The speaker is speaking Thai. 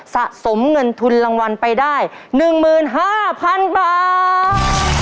สะสมเงินทุนรางวัลไปได้๑๕๐๐๐บาท